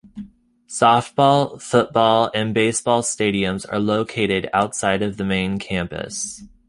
Softball, football, and baseball stadiums are located outside of the main campus.